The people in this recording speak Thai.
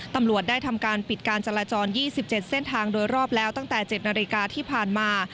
ตำรวจได้ทำการปิดการจราจร๒๗เส้นทางโดยรอบแล้วตั้งแต่๗นาฬิกาที่ผ่านมา